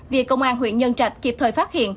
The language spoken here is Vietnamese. việc công an huyện nhân trạch kịp thời phát hiện